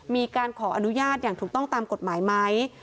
มีการขออนุญาตอย่างถูกต้องตามกฎหมายไหม